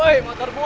woy motor buah